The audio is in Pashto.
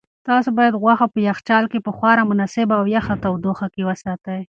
تاسو باید غوښه په یخچال کې په خورا مناسبه او یخه تودوخه کې وساتئ.